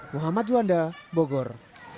muhammad juanda bogor